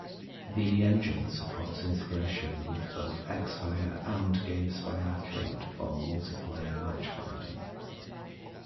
The engine supports integration with both Xfire and GameSpy Arcade for multiplayer match finding.